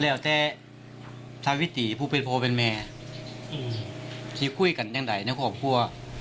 แล้วแต่ทางวิติผู้เป็นผู้เป็นแม่อืมที่คุยกันอย่างใดในของพวก